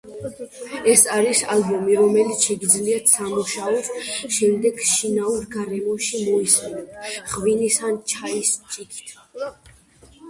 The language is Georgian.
ეს არის ალბომი, რომელიც შეგიძლიათ სამუშაოს შემდეგ შინაურ გარემოში მოისმინოთ, ღვინის ან ჩაის ჭიქით.